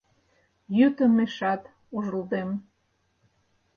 Йӱд омешат ужылдем.